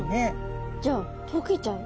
じゃあ解けちゃう。